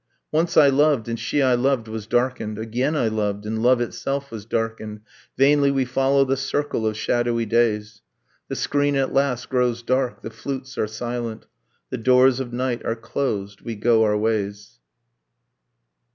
Once I loved, and she I loved was darkened. Again I loved, and love itself was darkened. Vainly we follow the circle of shadowy days. The screen at last grows dark, the flutes are silent. The doors of night are closed. We go our ways.